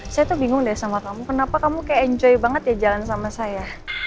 saya tuh bingung deh sama kamu kenapa kamu kayak enjoy banget ya jalan sama saya